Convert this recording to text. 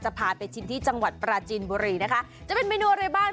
พาไปชิมที่จังหวัดปราจีนบุรีนะคะจะเป็นเมนูอะไรบ้าง